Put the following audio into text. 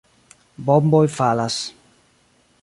Bomboj falas.